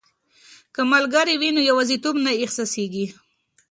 که ملګري وي نو یوازیتوب نه احساسیږي.